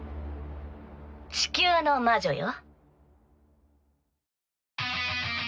地球の魔女よ。